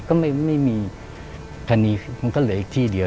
ช่วยด้วย